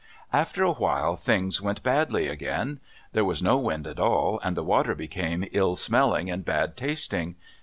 After a while things went badly again. There was no wind at all and the water became ill smelling, and bad tasting.